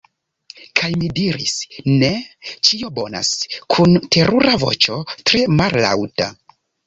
Kaj mi diris: "Ne... ĉio bonas." kun terura voĉo tre mallaŭta.